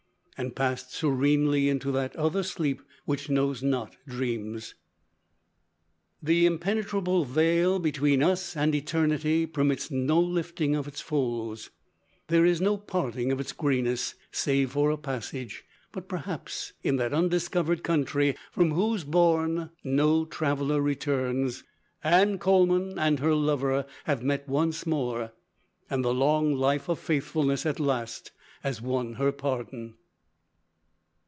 and passed serenely into that other sleep, which knows not dreams. The impenetrable veil between us and eternity permits no lifting of its folds; there is no parting of its greyness, save for a passage, but perhaps, in "that undiscovered country from whose bourne no traveller returns" Anne Coleman and her lover have met once more, and the long life of faithfulness at last has won her pardon.